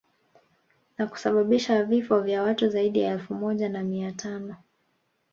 Na kusababisha vifo vya watu zaidi ya elfu moja na mia tano